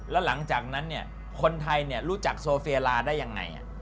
แล้วหลังจากนั้นเนี่ยคนไทยรู้จักโซเฟียลาได้ยังไง